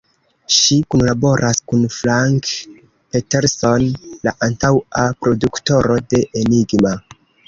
Ŝi kunlaboras kun Frank Peterson, la antaŭa produktoro de Enigma.